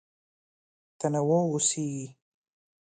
تنوع اوسېږي.